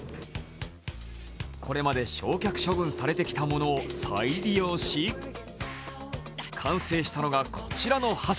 これまで焼却処分されてきたものを再利用し、完成したのがこちらの箸。